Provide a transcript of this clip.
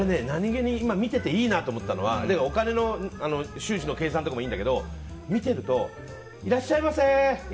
何気に、今見てていいなと思ったのはお金の収支の計算とかもいいけど見てるといらっしゃいませ！